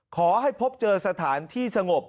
ขอให้พบเจอสถานที่สงบ